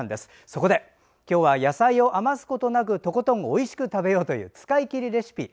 そこで今日は野菜を余すことなくとことんおいしく食べようという使いきりレシピ。